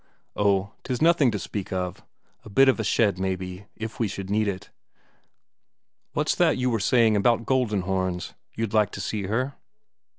"Oh, 'tis nothing to speak of. A bit of a shed, maybe, if we should need it. What's that you were saying about Goldenhorns? You'd like to see her?"